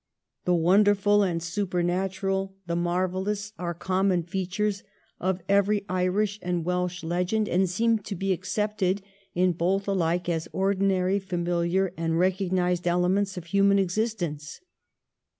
The wonderful, the supernatural, the marvellous are common features of every Irish and Welsh legend and seem to be accepted in both alike as ordinary, familiar, and recognised elements of human existence.